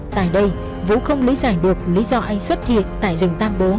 tại đây vũ không lý giải được lý do anh xuất hiện tại rừng tam bố